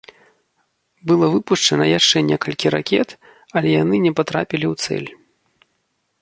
Было выпушчана яшчэ некалькі ракет, але яны не патрапілі ў цэль.